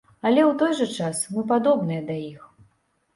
Але ў той жа час, мы падобныя да іх.